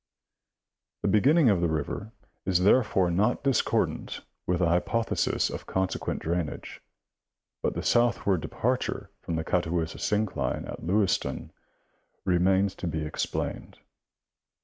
The beginning of the river is therefore not discordant with the hypothesis of consequent drainage, but the southward departure from the Catawissa syncline at Lewistown remains to be explained.